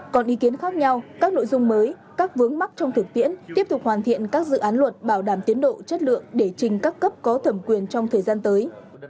còn ý kiến khác nhau các nội dung mới các vướng mắc trong thực tiễn tiếp tục hoàn thiện các dự án luật bảo đảm tiến độ chất lượng để trình các cấp có thẩm quyền trong thời gian tới